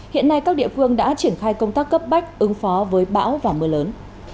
hiện nay các địa phương đã triển khai công tác cấp bách ứng phó với bão và mưa lớn